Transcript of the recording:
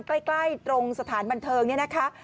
ใกล้ตรงสถานบันเทิงเนี่ยนะคะ